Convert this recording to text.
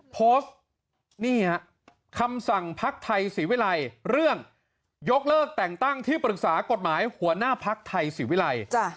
โพสต์นี่ฮะคำสั่งพักไทยศรีวิรัยเรื่องยกเลิกแต่งตั้งที่ปรึกษากฎหมายหัวหน้าภักดิ์ไทยศรีวิรัย